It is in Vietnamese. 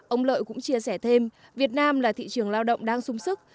ông lợi cũng chia sẻ thêm việt nam là thị trường lao động đang sung sức